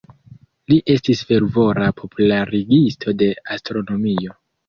Li estis fervora popularigisto de astronomio.